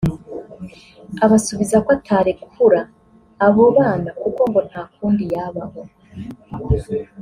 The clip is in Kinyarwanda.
abasubiza ko atarekura abo bana kuko ngo nta kundi yabaho